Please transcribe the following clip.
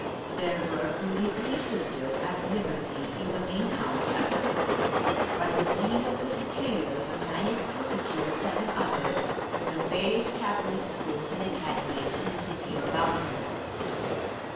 There were only three Sisters at liberty in the main house at the time, but the zeal of the Superiors managed to secure seven others from the various Catholic schools and academies in the city of Baltimore.